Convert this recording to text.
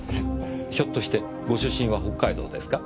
ひょっとしてご出身は北海道ですか？